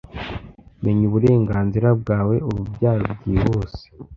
menya uburenganzira bwawe, urubyaro byihuse